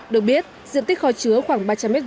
được biết diện tích kho chứa khoảng ba trăm linh m hai